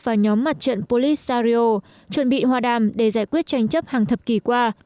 và nhóm mặt trận polisario chuẩn bị hòa đàm để giải quyết tranh chấp hàng thập kỷ qua